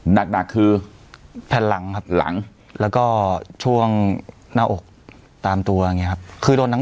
หนักคือแผ่นหลังหลังแล้วก็ช่วงหน้าอกตามตัวคือโดนน้ำ